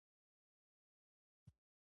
هوښیار څوک دی چې د تېرو تېروتنو نه عبرت اخلي.